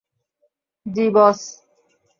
জি, বস।